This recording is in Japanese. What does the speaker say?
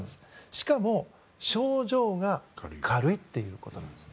しかも症状が軽いということなんです。